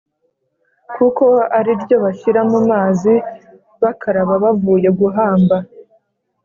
kuko ari ryo bashyira mu mazi bakaraba bavuye guhamba